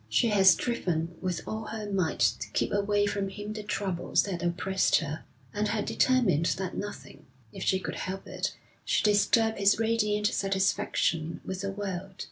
She had striven with all her might to keep away from him the troubles that oppressed her, and had determined that nothing, if she could help it, should disturb his radiant satisfaction with the world.